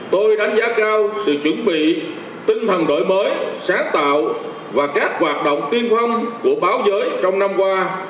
tôi đánh giá cao sự chuẩn bị tinh thần đổi mới sáng tạo và các hoạt động tiên phong của báo giới trong năm qua